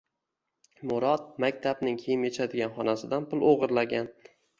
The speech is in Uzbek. Murod maktabning kiyim yechadigan xonasidan pul o‘g‘irlagan.